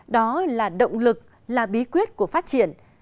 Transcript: đó là động lực là bí quyết của phát triển